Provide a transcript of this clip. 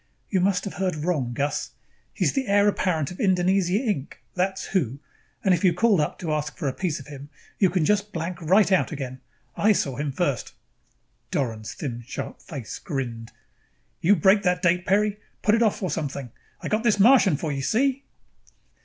"You must have heard wrong, Gus. He's the heir apparent of Indonesia, Inc., that's who, and if you called up to ask for a piece of him, you can just blank right out again. I saw him first!" Doran's thin sharp face grinned. "You break that date, Peri. Put it off or something. I got this Martian for you, see?"